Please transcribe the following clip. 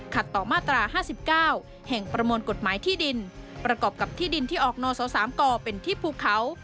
ต่อมาตรา๕๙แห่งประมวลกฎหมายที่ดินประกอบกับที่ดินที่ออกนส๓กเป็นที่ภูเขา